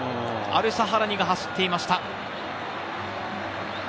アルシャハラニが走っていました。